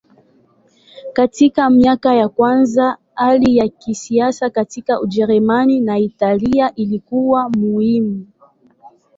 Katika miaka ya kwanza hali ya kisiasa katika Ujerumani na Italia ilikuwa muhimu.